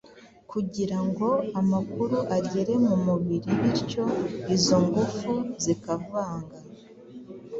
kugira ngo amakuru agere mu mubiri bityo izo ngufu zikavanga